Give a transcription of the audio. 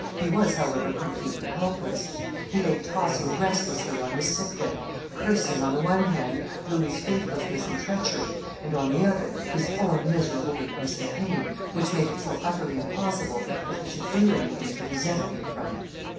He was, however, completely helpless. He lay tossing restlessly on his sick bed, cursing, on the one hand, Louis's faithlessness and treachery, and, on the other, his own miserable weakness and pain, which made it so utterly impossible that he should do any thing to resent the affront.